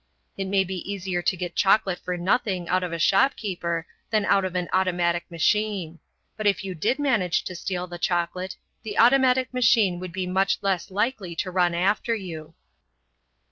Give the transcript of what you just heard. It may be easier to get chocolate for nothing out of a shopkeeper than out of an automatic machine. But if you did manage to steal the chocolate, the automatic machine would be much less likely to run after you.